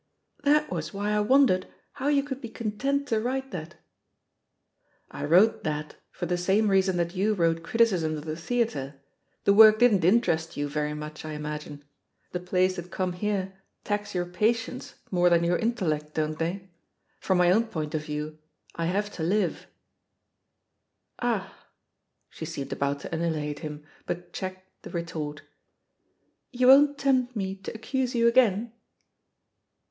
"That was why I wondered how you could be content to write that." "I wrote 'that' for the same reason that you wnoXit criticisms of the theatre. The work didn't interest you very much, I imagine — ^the plays that THE POSITION OF PEGGY HARPER 18» come here tax your patience more than your in tellect, don't they? From my own point of view, I have to live." "Ahl" She seemed about to annihilate him, but checked the retort. "You won't tempt me to accuse you again!'